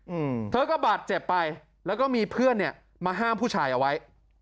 อืมเธอก็บาดเจ็บไปแล้วก็มีเพื่อนเนี้ยมาห้ามผู้ชายเอาไว้